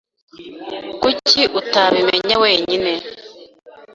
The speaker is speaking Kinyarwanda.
Kuki utabimenya wenyine?